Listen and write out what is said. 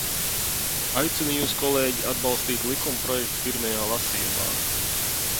Aicinu jūs, kolēģi, atbalstīt likumprojektu pirmajā lasījumā!